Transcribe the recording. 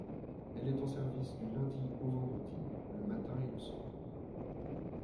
Elle est en service du lundi au vendredi le matin et le soir.